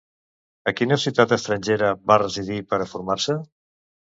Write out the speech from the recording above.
A quina ciutat estrangera va residir per a formar-se?